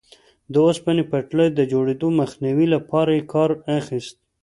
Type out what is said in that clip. د اوسپنې پټلۍ د جوړېدو مخنیوي لپاره یې کار اخیست.